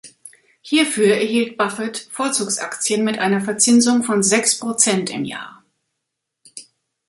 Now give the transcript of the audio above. Hierfür erhielt Buffett Vorzugsaktien mit einer Verzinsung von sechs Prozent im Jahr.